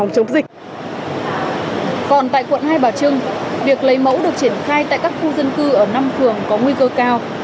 còn tại quận hai bà trưng việc lấy mẫu được triển khai tại các khu dân cư ở năm phường có nguy cơ cao